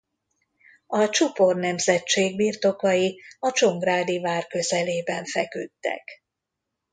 A Csupor nemzetség birtokai a Csongrádi vár közelében feküdtek.